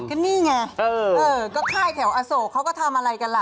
มี่ไงก็ค่ายแถวอโศกเขาก็ทำอะไรกันล่ะ